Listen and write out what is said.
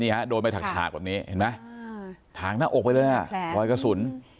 โดนไปถากแบบนี้เห็นไหมถางหน้าอกไปเลยอ่ะรอยกระสุน